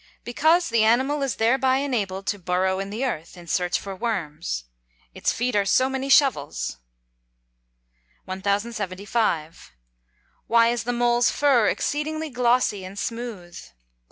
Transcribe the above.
_ Because the animal is thereby enabled to burrow in the earth, in search for worms. Its feet are so many shovels. 1075. _Why is the mole's fur exceedingly glossy and smooth?